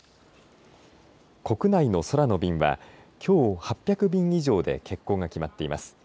国内の空の便はきょう８００便以上で欠航が決まっています。